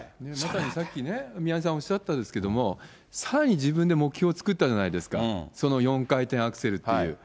まさにさっきね、梅沢さん、おっしゃったんですけど、さらに自分で目標を作ったじゃないですか、その４回転アクセルっていう。